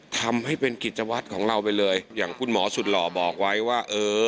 ทำให้เป็นกิจวัตรของเราไปเลยอย่างคุณหมอสุดหล่อบอกไว้ว่าเออ